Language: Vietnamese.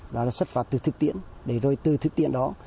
đó là xuất phát từ thực tiễn để rồi từ thực tiễn đó